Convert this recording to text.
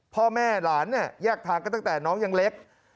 พ่อแม่หลานเนี่ยแยกทางกันตั้งแต่น้องยังเล็ก